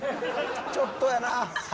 ちょっとやなあ。